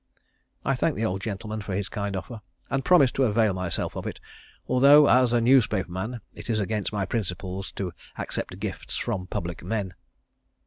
I thanked the old gentleman for his kind offer and promised to avail myself of it, although as a newspaper man it is against my principles to accept gifts from public men.